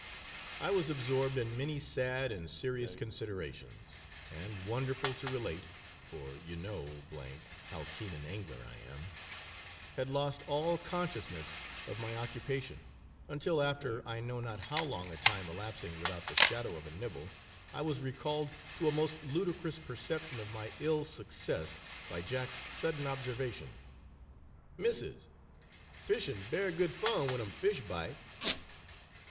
I was absorbed in many sad and serious considerations, and wonderful to relate (for you know how keen an angler I am), had lost all consciousness of my occupation, until after I know not how long a time elapsing without the shadow of a nibble, I was recalled to a most ludicrous perception of my ill success by Jack's sudden observation, 'Missis, fishing berry good fun when um fish bite.'